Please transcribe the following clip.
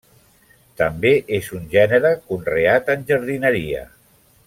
També és un gènere conreat en jardineria.